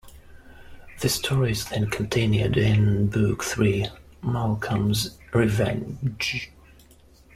The story is then continued in Book Three: Malcolm's Revenge.